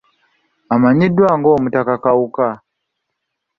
Amanyiddwa ng'Omutaka Kawuka.